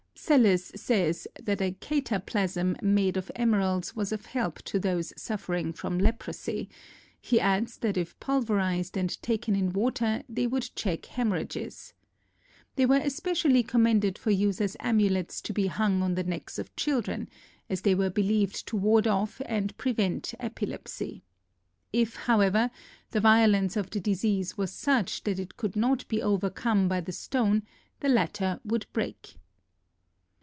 Psellus says that a cataplasm made of emeralds was of help to those suffering from leprosy; he adds that if pulverized and taken in water they would check hemorrhages. They were especially commended for use as amulets to be hung on the necks of children, as they were believed to ward off and prevent epilepsy. If, however, the violence of the disease was such that it could not be overcome by the stone, the latter would break.